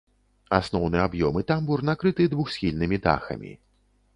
Асноўны аб'ём і тамбур накрыты двухсхільнымі дахамі.